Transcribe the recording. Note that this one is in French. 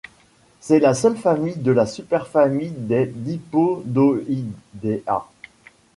C'est la seule famille de la super-famille des Dipodoidea.